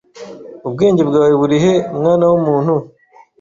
Ubwenge bwawe burihe mwana wumuntu?